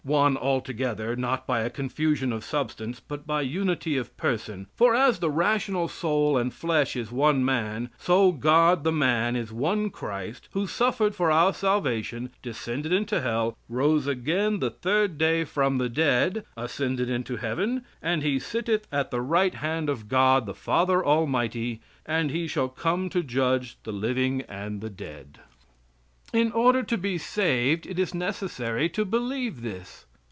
"One altogether, not by a confusion of substance, but by unity of person, for as the rational soul and flesh is one man, so God the man, is one Christ, who suffered for our salvation, descended into hell, rose again the third day from the dead, ascended into heaven, and He sitteth at the right hand of God, the Father Almighty, and He shall come to judge the living and the dead." In order to be saved it is necessary to believe this.